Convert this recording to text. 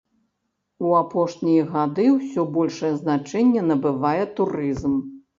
У апошнія гады ўсё большае значэнне набывае турызм.